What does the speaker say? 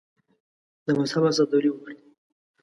د مذهب استازولي وکړي.